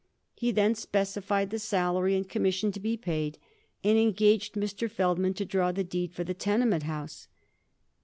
He then specified the salary and commission to be paid, and engaged Mr. Feldman to draw the deed for the tenement house.